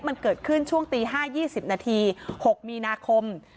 มันเกิดขึ้นช่วงตี๕๒๐นาที๖มีนาคม